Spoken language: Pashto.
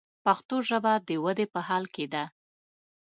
پښتو ژبه د ودې په حال کښې ده.